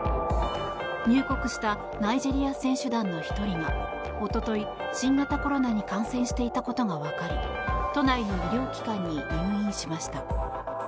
入国したナイジェリア選手団の１人が一昨日、新型コロナに感染していたことが分かり都内の医療機関に入院しました。